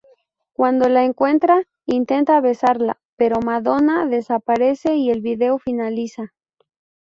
Cuando la encuentra, intenta besarla, pero Madonna desaparece y el video finaliza.